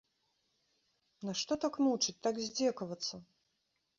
Нашто так мучыць, так здзекавацца?